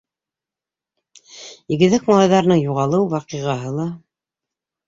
Игеҙәк малайҙарының юғалыу ваҡиғаһы ла...